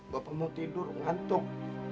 bapak mau tidur ngantuk